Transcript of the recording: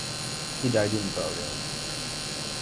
He died in Berlin.